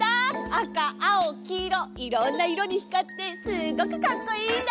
あかあおきいろいろんないろにひかってすごくかっこいいんだよ。